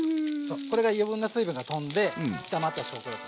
これが余分な水分が飛んで炒まった証拠。